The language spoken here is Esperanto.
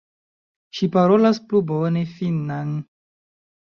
Ŝi parolas plu bone finnan.